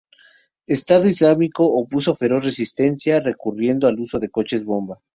Estado Islámico opuso feroz resistencia, recurriendo al uso de coches bomba.